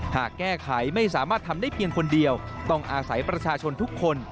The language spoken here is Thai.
หากแก้ไขไม่สามารถทำได้เพียงคนเดียวต้องอาศัยประชาชนทุกคน